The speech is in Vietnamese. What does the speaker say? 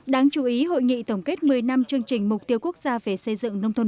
đáng chú ý hội nghị tổng kết một mươi năm chương trình mục tiêu quốc gia về xây dựng nông thôn